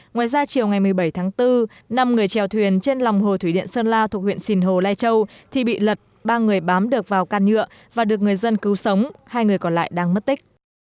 ngoài ra chiều ngày một mươi bảy tháng bốn năm người trèo thuyền trên lòng hồ thủy điện sơn la thuộc huyện sìn hồ lai châu thì bị lật ba người bám được vào can nhựa và được người dân cứu sống hai người còn lại đang mất tích